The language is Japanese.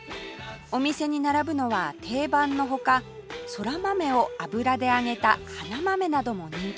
お店に並ぶのは定番の他そら豆を油で揚げた花豆なども人気です